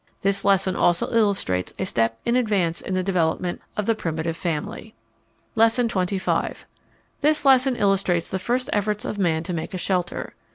This lesson also illustrates a step in advance in the development of the primitive family. Lesson XXV. This lesson illustrates the first efforts of man to make a shelter.